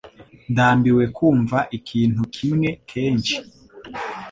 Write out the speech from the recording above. Ndambiwe kumva ikintu kimwe kenshi